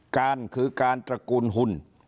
การคือการตระกูลหุ่น